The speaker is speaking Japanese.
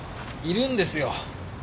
いるんですよ。